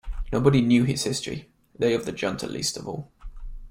Nobody knew his history, they of the Junta least of all.